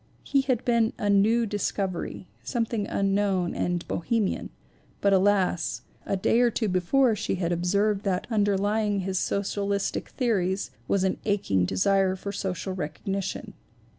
He had been a new discovery, something un known and Bohemian, but alas, a day or two before, 3 2 4 THE WOMEN WHO MAKE OUR NOVELS she had observed that underlying his socialistic theo ries was an aching desire for social recognition.